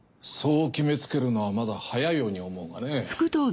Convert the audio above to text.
そう決めつけるのはまだ早いように思うがね。